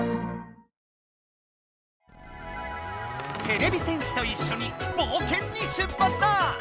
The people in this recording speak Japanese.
てれび戦士といっしょにぼうけんにしゅっぱつだ！